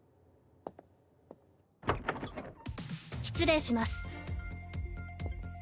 失礼します。